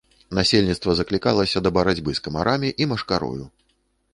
Насельніцтва заклікалася да барацьбы з камарамі і машкарою.